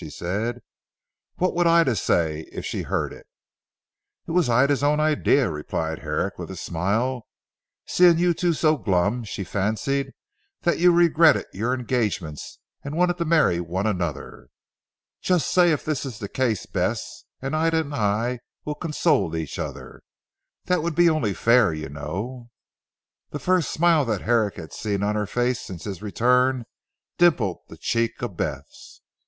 she said. "What would Ida say if she heard it." "It was Ida's own idea," replied Herrick with a smile, "seeing you two so glum, she fancied that you regretted your engagements and wanted to marry one another. Just say if this is the case Bess and Ida and I will console each other! That would be only fair, you know!" The first smile that Herrick had seen on her face since his return dimpled the cheek of Bess.